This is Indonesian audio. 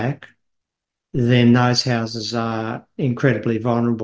maka rumah mereka sangat berpengaruh